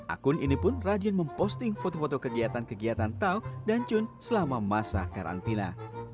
akun ini pun rajin memposting foto foto kegiatan kegiatan tau dan cun selama masa karantina